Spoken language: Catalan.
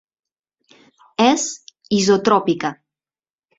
És isotròpica.